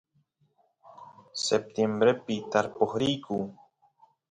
septiembrepi tarpoq riyku